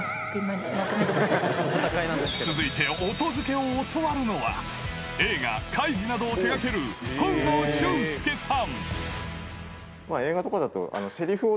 続いて音付けを教わるのは映画『カイジ』などを手掛ける本郷俊介さん